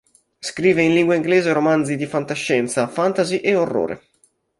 Scrive in lingua inglese romanzi di fantascienza, fantasy e orrore.